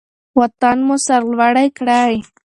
وطن مو سرلوړی کړئ.